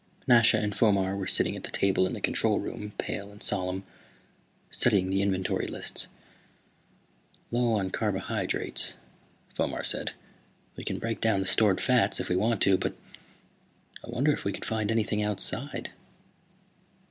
Nasha and Fomar were sitting at the table in the control room, pale and solemn, studying the inventory lists. "Low on carbohydrates," Fomar said. "We can break down the stored fats if we want to, but " "I wonder if we could find anything outside."